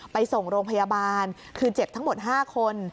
ไปส่งโรงพยาบาลคือเจ็บทั้งหมด๕คน